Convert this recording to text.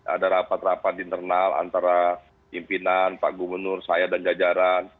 ada rapat rapat internal antara pimpinan pak gubernur saya dan jajaran